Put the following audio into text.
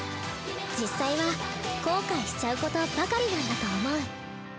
実際は後悔しちゃうことばかりなんだと思う。